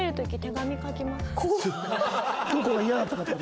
どこが嫌だったかって事？